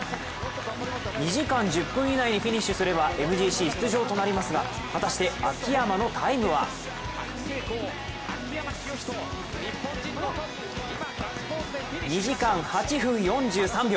２時間１０分以内にフィニッシュすればＭＧＣ出場となりますが果たして秋山のタイムは２時間８分４３秒！